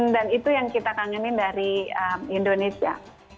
dan itu yang kita kangenin dari indonesia